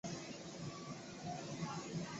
华人是这的主要经济动脉。